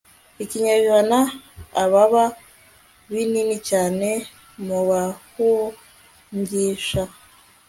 ikinyejana! ababa binini cyane, mubahungisha